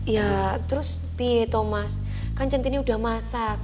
ya terus pie thomas kan centini udah masak